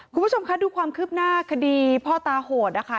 คุณผู้ชมคะดูความคืบหน้าคดีพ่อตาโหดนะคะ